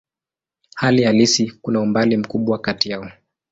Hali halisi kuna umbali mkubwa kati yao.